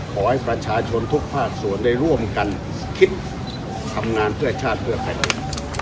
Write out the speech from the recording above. ขอให้ประชาชนทุกภาคส่วนได้ร่วมกันคิดทำงานเพื่อชาติเพื่อไทยนั้น